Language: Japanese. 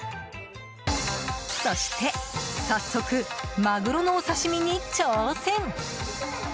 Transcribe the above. そして、早速マグロのお刺し身に挑戦！